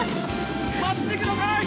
待ってください！